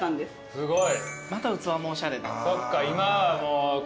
すごい。